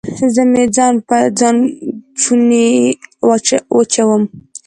زه مې ځان په ځانوچوني وچوم